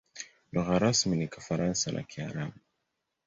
Lugha rasmi ni Kifaransa na Kiarabu.